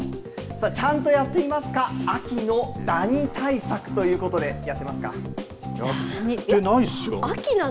ちゃんとやっていますか秋のだに対策ということでやってないですよ。